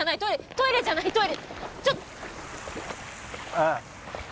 トイレじゃないトイレちょ。